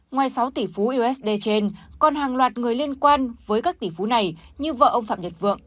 ngoài sáu tỷ phú usd trên còn hàng loạt người liên quan với các tỷ phú này như vợ ông phạm nhật vượng